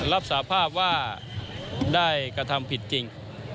รับสาภาพว่าได้กระทำผิดจริง